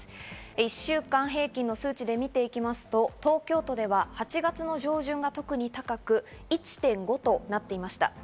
１週間平均の数値で見ていくと東京都では８月上旬が特に高く、１．５となっていました。